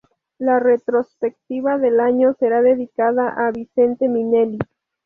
La retrospectiva del año será dedicada a Vincente Minnelli.